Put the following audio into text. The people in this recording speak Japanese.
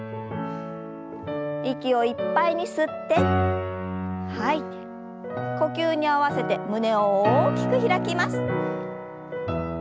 息をいっぱいに吸って吐いて呼吸に合わせて胸を大きく開きます。